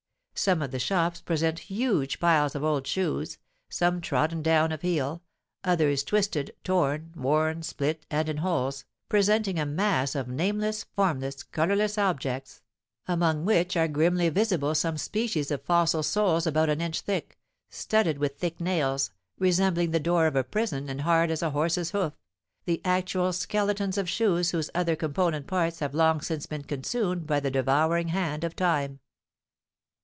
Some of the shops present huge piles of old shoes, some trodden down of heel, others twisted, torn, worn, split, and in holes, presenting a mass of nameless, formless, colourless objects, among which are grimly visible some species of fossil soles about an inch thick, studded with thick nails, resembling the door of a prison and hard as a horse's hoof, the actual skeletons of shoes whose other component parts have long since been consumed by the devouring hand of Time.